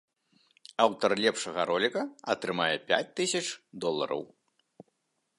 Аўтар лепшага роліка атрымае пяць тысяч долараў.